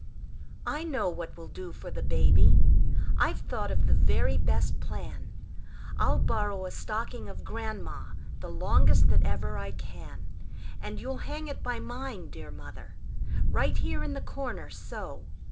I know what will do for the baby. I've thought of the very best plan: I'll borrow a stocking of grandma, The longest that ever I can; And you'll hang it by mine, dear mother, Right here in the corner, so!